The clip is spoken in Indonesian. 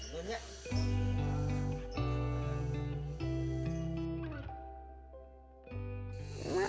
harga beras sedang naik